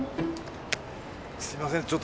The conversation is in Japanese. すみません